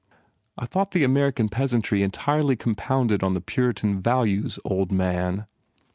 "I thought the American peasantry entirely compounded of the Puritan virtues, old man."